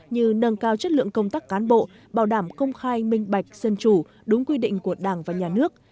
như nâng cao chất lượng công tác cán bộ bảo đảm công khai minh bạch dân chủ đúng quy định của đảng và nhà nước